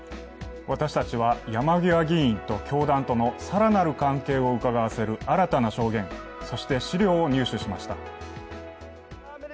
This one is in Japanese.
私たちは山際議員と教団との更なる関係をうかがわせる新たな証言、そして資料を入手しました。